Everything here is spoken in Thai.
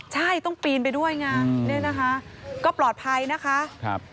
ใช่ต้องปีนไปด้วยไงเนี่ยนะคะก็ปลอดภัยนะคะ